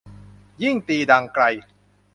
ยิ่งตีดังไกล